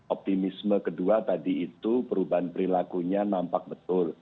optimisme kedua tadi itu perubahan perilakunya nampak betul